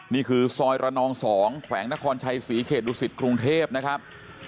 นี่คือซอยระนอง๒แขวงนครชัยศรีเขตดุสิตกรุงเทพนะครับ